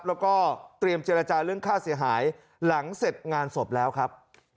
แล้วก็เตรียมเจรจาเรื่องค่าเสียหายหลังเสร็จงานศพแล้วครับ